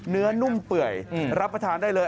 เนื้อนุ่มเปลือยรับประทานได้เลย